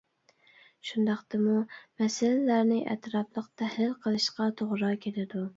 شۇنداقتىمۇ مەسىلىلەرنى ئەتراپلىق تەھلىل قىلىشقا توغرا كېلىدۇ.